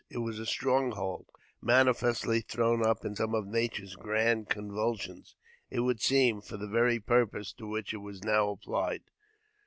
It was a stronghold manifestly thrown up in some of Nature's grand convulsions, it would seem, for the very purpose to which it was now applied.